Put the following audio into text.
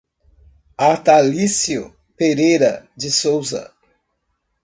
Atalicio Pereira de Sousa